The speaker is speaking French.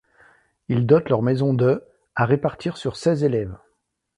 Il dote leur maison de à répartir sur seize élèves.